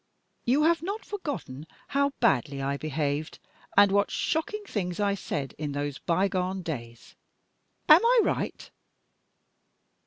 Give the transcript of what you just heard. You have not forgotten how badly I behaved, and what shocking things I said, in those bygone days. Am I right?"